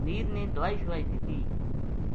منیر نے دوائی شوائی دِتی